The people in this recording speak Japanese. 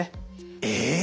え！